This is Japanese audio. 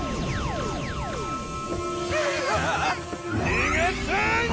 逃がさん！